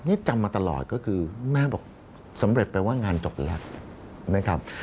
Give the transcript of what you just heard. นี่จำมาตลอดก็คือแม่บอกสำเร็จแปลว่างานจบแล้วนะครับ